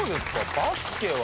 バスケは。